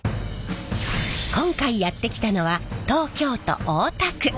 今回やって来たのは東京都大田区。